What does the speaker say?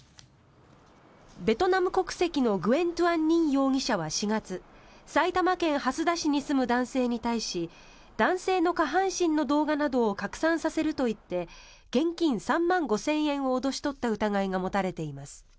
ベトナム国籍のグエン・トゥアン・ニン容疑者は４月埼玉県蓮田市に住む男性に対し男性の下半身の動画などを拡散させるなどと言って現金３万５０００円を脅し取った疑いが持たれています。